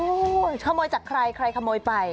โอ้โหขโมยจากใครใครขโมยไป